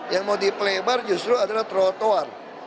yang mau dipelebar justru adalah trotoar